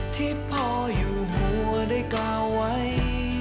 ที่พ่ออยู่หัวได้กล่าวไว้